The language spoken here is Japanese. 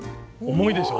重いでしょ？